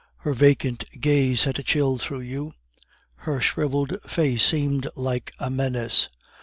Her vacant gaze sent a chill through you; her shriveled face seemed like a menace.